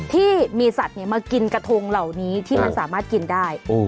ที่มีสัตว์มากินกระทงเหล่านี้ที่มันสามารถกินได้